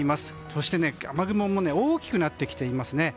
そして、雨雲も大きくなってきていますね。